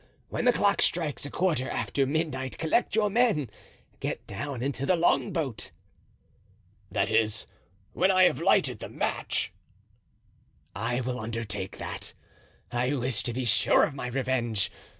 When the clock strikes a quarter after midnight collect your men. Get down into the longboat." "That is, when I have lighted the match?" "I will undertake that. I wish to be sure of my revenge.